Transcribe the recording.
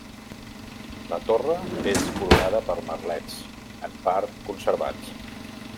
La torre és coronada per merlets, en part conservats.